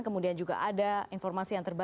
kemudian juga ada informasi yang terbaru